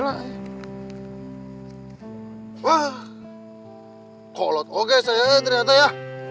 wah kok lot oke saya lihat ternyata ya